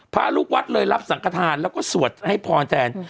พระลูกวัดเลยรับสังขทานแล้วก็สวดให้พรแทน